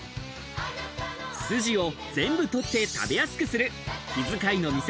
筋を全部取って食べやすくする気遣いの店